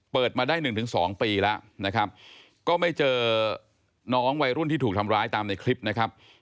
มาได้๑๒ปีแล้วนะครับก็ไม่เจอน้องวัยรุ่นที่ถูกทำร้ายตามในคลิปนะครับ